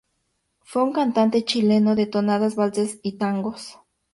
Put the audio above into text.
Fue un cantante chileno de tonadas, valses y tangos.